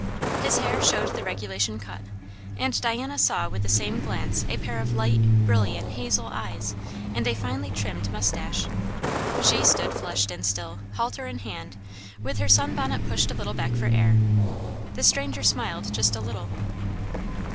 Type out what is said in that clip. His hair showed the regulation cut; and Diana saw with the same glance a pair of light, brilliant, hazel eyes and a finely trimmed mustache. She stood flushed and still, halter in hand, with her sun bonnet pushed a little back for air. The stranger smiled just a little.